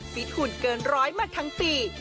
ฟิตหุ่นเกินร้อยมาทั้งปี